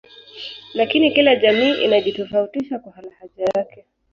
Lakini kila jamii inajitofautisha kwa lahaja yake